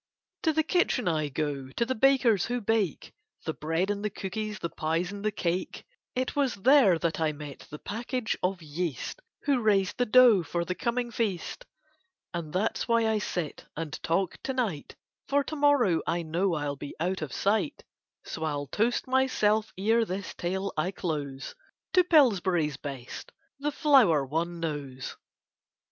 To the kitchen I go to the bakers who bake The bread and the cookies, the pies and the cake; It was there that I met the package of yeast Who raised the dough for the coming feast, And that's why I sit and talk to night, For to morrow I know I'll be out of sight; So I'll toast myself ere this tale I close, To Pillsbury's Best, the flour one knows.